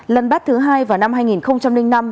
lần bắt thứ hai vào năm hai nghìn năm